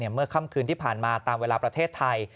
เมื่อค่ำคืนที่ผ่านมาตามเวลาประเทศไทย